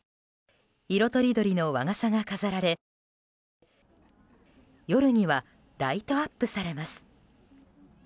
色とりどりの和傘が飾られ夜には、ライトアップされます。